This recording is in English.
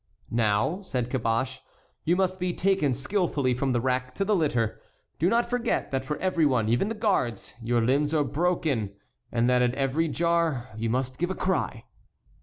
"Now," said Caboche, "you must be taken skilfully from the rack to the litter. Do not forget that for every one, even the guards, your limbs are broken, and that at every jar you must give a cry."